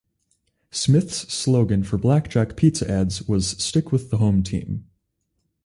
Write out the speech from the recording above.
Smith's slogan for Blackjack Pizza ads was Stick with the home team.